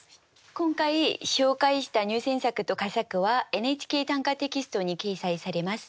今回紹介した入選作と佳作は「ＮＨＫ短歌」テキストに掲載されます。